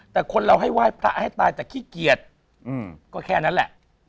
แต่คนเราให้ไหว้พระให้ตายแต่ขี้เกียจก็แค่นั้นแหละ